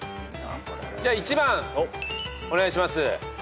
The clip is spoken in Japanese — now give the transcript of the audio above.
じゃ１番お願いします。